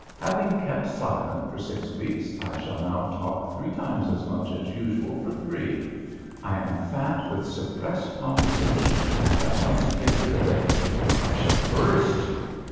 "Having kept silent for six weeks, I shall now talk three times as much as usual for three. I am fat with suppressed conversation, and I must get rid of it, or I shall burst."